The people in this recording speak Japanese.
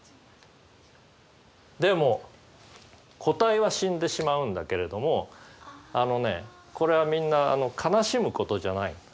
でも個体は死んでしまうんだけれどもあのねこれはみんな悲しむことじゃない。